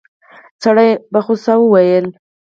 سړي په غوسه وويل.